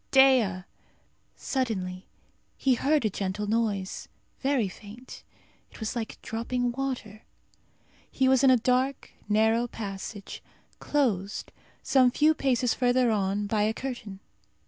Dea!" Suddenly he heard a gentle noise, very faint. It was like dropping water. He was in a dark narrow passage, closed, some few paces further on, by a curtain.